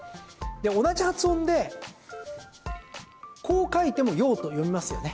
同じ発音で、こう書いても「よう」と読みますよね。